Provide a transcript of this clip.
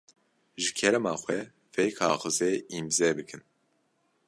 Ji kerema xwe vê kaxizê îmze bikin.